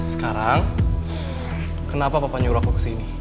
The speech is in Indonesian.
sekarang kenapa bapak nyuruh aku kesini